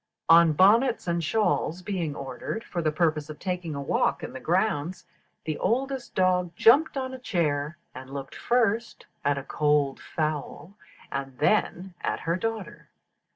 On bonnets and shawls being ordered for the purpose of taking a walk in the grounds, the oldest dog jumped on a chair, and looked first at a cold fowl, and then at her daughter.